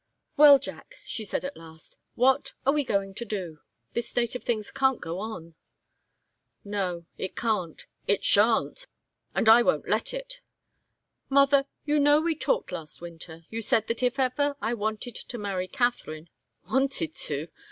"Well, Jack," she said, at last, "what are we going to do? This state of things can't go on." "No. It can't. It shan't. And I won't let it. Mother you know we talked last winter you said that if ever I wanted to marry Katharine wanted to!